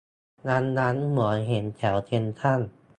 วันนั้นเหมือนเห็นแถวเซ็นทรัล